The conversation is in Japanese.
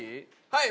はい。